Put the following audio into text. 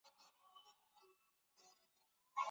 张鹤鸣人。